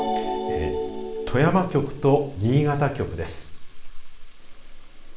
富山局と新潟局です。